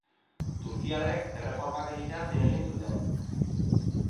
Turkiarrek erreformak egitea zin egin zuten.